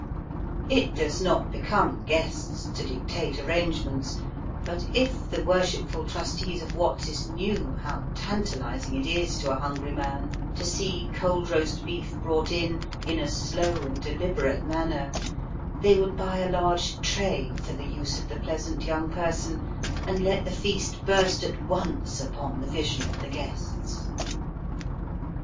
It does not become guests to dictate arrangements, but if the worshipful trustees of Watts's knew how tantalising it is to a hungry man to see cold roast beef brought in in a slow and deliberate manner, they would buy a large tray for the use of the pleasant young person, and let the feast burst at once upon the vision of the guests.